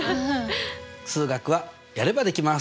数学はやればできます！